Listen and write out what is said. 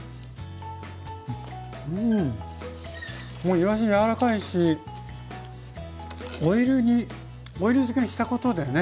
うんもういわし柔らかいしオイル煮オイル漬けにしたことでね